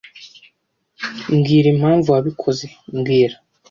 mbwira impamvu wabikoze mbwira